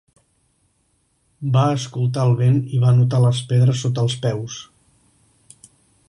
Va escoltar el vent i va notar les pedres sota els peus.